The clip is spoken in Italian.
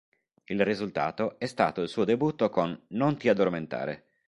Il risultato è stato il suo debutto con "Non ti addormentare".